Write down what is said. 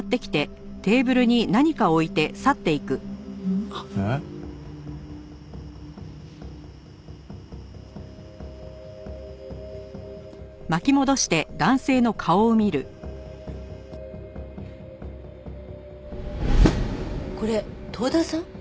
ん？えっ？これ遠田さん？